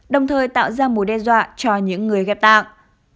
đồng thời tạo ra mối đe dọa cho những người ghép tạng